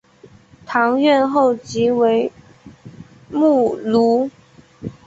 堂院后即为墓庐。